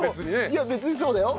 いや別にそうだよ。